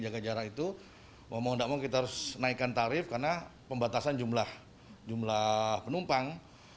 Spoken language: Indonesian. jaga jarak itu mau tidak mau kita harus naikkan tarif karena pembatasan jumlah penumpang